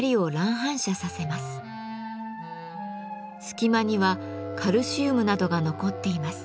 隙間にはカルシウムなどが残っています。